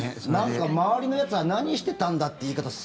なんか、周りのやつは何してたんだって言い方